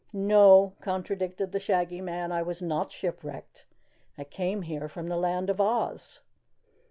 "No," contradicted the Shaggy Man, "I was not shipwrecked. I came here from the Land of Oz."